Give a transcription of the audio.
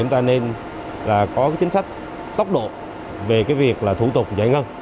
chúng ta nên có chính sách tốc độ về việc thủ tục giải ngân